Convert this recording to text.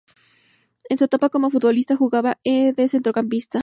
En su etapa como futbolista, jugaba de centrocampista.